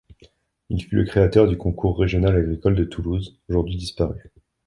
Il fut le créateur du Concours régional agricole de Toulouse, aujourd'hui disparu.